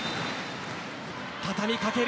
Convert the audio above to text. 畳みかける。